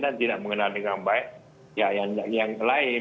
dan tidak mengenal dengan baik yang lain